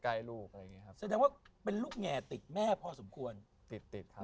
ลูกอะไรอย่างเงี้ครับแสดงว่าเป็นลูกแงติดแม่พอสมควรติดติดครับ